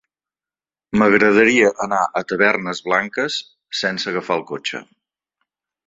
M'agradaria anar a Tavernes Blanques sense agafar el cotxe.